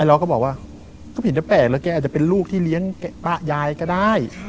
เราก็บอกว่าก็ผิดแต่แปลกแล้วแกอาจจะเป็นลูกที่เลี้ยงป้ายายก็ได้